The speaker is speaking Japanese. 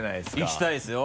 いきたいですよ。